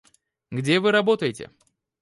Где вы работаете?